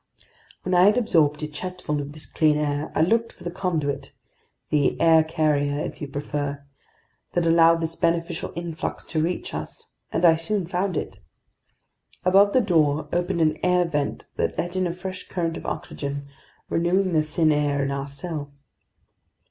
When I had absorbed a chestful of this clean air, I looked for the conduit—the "air carrier," if you prefer—that allowed this beneficial influx to reach us, and I soon found it. Above the door opened an air vent that let in a fresh current of oxygen, renewing the thin air in our cell.